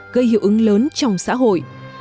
gây hiệu ứng lớn trong xã hội